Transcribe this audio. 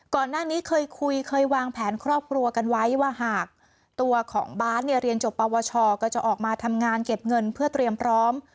ก่อนหน้านี้เคยคุยเคยวางแผนครอบครัวกันไว้ว่าหากตัวของบาสเนี่ยเรียนจบปวชก็จะออกมาทำงานเก็บเงินเพื่อเตรียมพร้อม